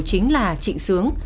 chính là trịnh sướng